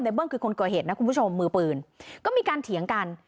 เบิ้งคือคนก่อเหตุนะคุณผู้ชมมือปืนก็มีการเถียงกัน